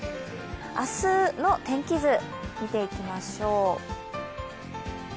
今日の天気図見ていきましょう。